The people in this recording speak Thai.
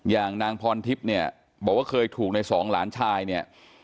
อย่างนางพรทิพย์เนี่ยบอกว่าเคยถูกในสองหลานชายเนี่ย